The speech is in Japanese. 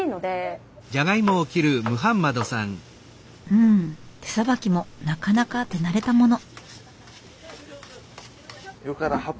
うん手さばきもなかなか手慣れたもの。